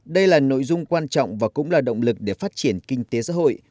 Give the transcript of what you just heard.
đây là nội dung quan trọng và cũng là động lực để phát triển kinh tế xã hội